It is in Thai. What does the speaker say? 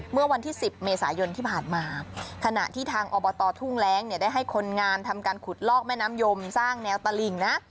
เมื่อวันที่๑๐เมษายนที่ผ่านมาขณะที่ทางอบตทุ่งแร้งเนี่ยได้ให้คนงานทำการขุดลอกแม่น้ำยมสร้างแนวตลิ่งนะ